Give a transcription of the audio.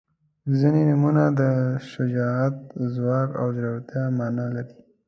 • ځینې نومونه د شجاعت، ځواک او زړورتیا معنا لري.